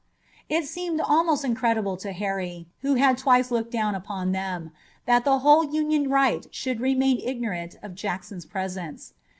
It seemed almost incredible to Harry, who had twice looked down upon them, that the whole Union right should remain ignorant of Jackson's presence.